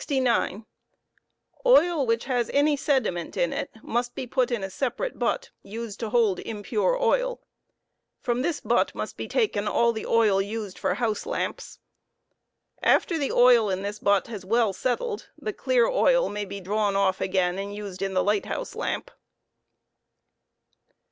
Oil which has any sediment in it must be put in a separate butt used to hold impure oa impure oil. From this butt must be taken all the oil used lor house lamps. After the oil in this butt has well settled, the clear oil may be drawn off again and used in the light house lamp.